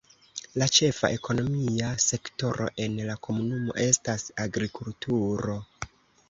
La ĉefa ekonomia sektoro en la komunumo estas agrikulturo.